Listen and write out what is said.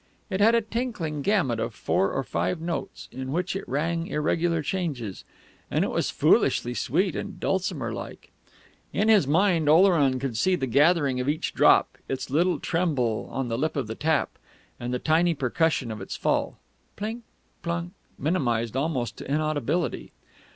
It had a tinkling gamut of four or five notes, on which it rang irregular changes, and it was foolishly sweet and dulcimer like. In his mind Oleron could see the gathering of each drop, its little tremble on the lip of the tap, and the tiny percussion of its fall, "Plink plunk," minimised almost to inaudibility.